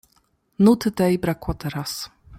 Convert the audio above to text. "Nuty tej brakło teraz."